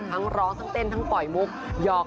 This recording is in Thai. ทั้งร้องทั้งเต้นทั้งปล่อยมุกหอก